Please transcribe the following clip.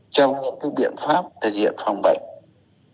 trong những cái biện pháp thực hiện phòng bệnh